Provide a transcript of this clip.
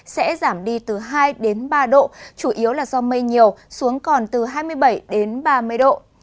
sẽ giảm đi từ hai đến ba độ chủ yếu là do mây nhiều xuống còn từ hai mươi bảy đến ba mươi độ